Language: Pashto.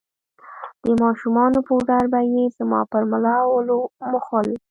د ماشومانو پوډر به يې زما پر ملا او ولو موښل.